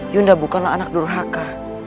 yunda bukanlah anak nurhaka